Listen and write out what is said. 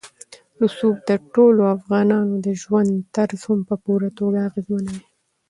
رسوب د ټولو افغانانو د ژوند طرز هم په پوره توګه اغېزمنوي.